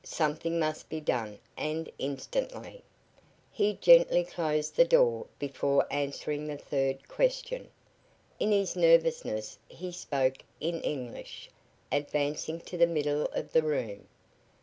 Something must be done and instantly. He gently closed the door before answering the third question. In his nervousness he spoke in English, advancing to the middle of the room.